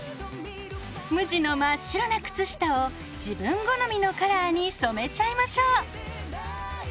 無地の真っ白な靴下を自分好みのカラーに染めちゃいましょう！